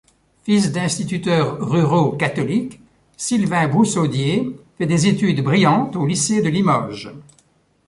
Fils d’instituteurs ruraux catholiques, Sylvain Broussaudier fait des études brillantes au lycée de Limoges.